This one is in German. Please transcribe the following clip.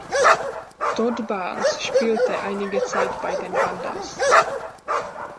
Todd Barnes spielte einige Zeit bei den Vandals.